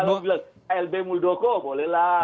kalau bilang lb muldoko bolehlah